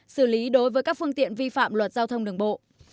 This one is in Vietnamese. xử lý đối với các phương tiện vi phạm luật giao thông đường bộ